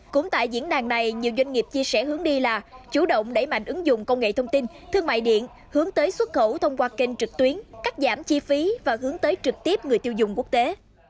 cũng tại diễn đàn này nhiều doanh nghiệp chia sẻ hướng đi là chủ động đẩy mạnh ứng dụng công nghệ thông tin thương mại điện hướng tới xuất khẩu thông qua kênh trực tuyến cắt giảm chi phí và hướng tới trực tiếp người tiêu dùng quốc tế